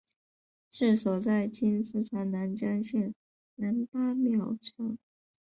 治所在今四川南江县南八庙场。